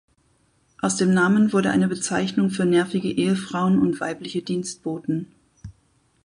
Aus dem Namen wurde eine Bezeichnung für nervige Ehefrauen und weibliche Dienstboten.